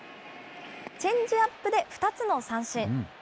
チェンジアップで２つの三振。